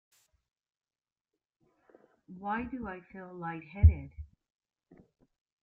Why do I feel light-headed?